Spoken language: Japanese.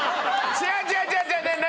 違う違う違う違う何？